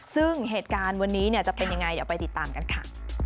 ซึ่งเหตุการณ์วันนี้จะเป็นยังไงเดี๋ยวไปติดตามกันค่ะ